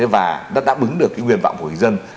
và đã bứng được cái nguyên vọng của người dân